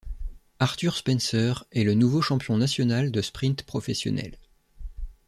Arthur Spencer est le nouveau champion national de sprint professionnel.